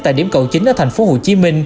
tại điểm cầu chính ở tp hcm